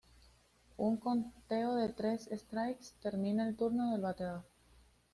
Un conteo de tres strikes termina el turno del bateador.